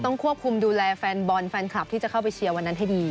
ควบคุมดูแลแฟนบอลแฟนคลับที่จะเข้าไปเชียร์วันนั้นให้ดี